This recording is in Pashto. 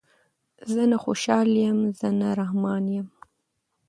زه نه خوشحال یم زه نه رحمان یم